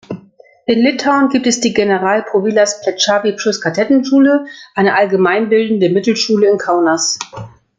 In Litauen gibt es die General-Povilas-Plechavičius-Kadettenschule, eine allgemeinbildende Mittelschule in Kaunas.